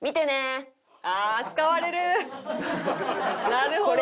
なるほど。